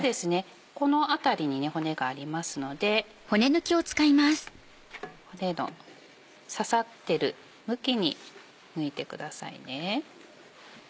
この辺りに骨がありますので骨の刺さってる向きに抜いてくださいね。